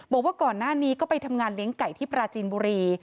บอกว่าก่อนหน้านี้ก็ไปทำงานเลี้ยงไก่ที่ปราจีนบุรี